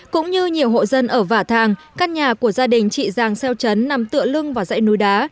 cũng như nhiều hộ dân ở vả thàng các nhà của gia đình chị giàng xeo trấn nằm tựa lưng vào dãy núi đá